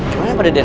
gimana pada den